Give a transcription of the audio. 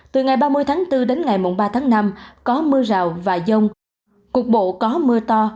từ ngày ba mươi tháng bốn đến ngày ba tháng năm có mưa rào và dông cục bộ có mưa to